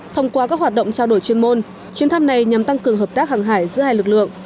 thông qua các hoạt động trao đổi chuyên môn chuyến thăm này nhằm tăng cường hợp tác hàng hải giữa hai lực lượng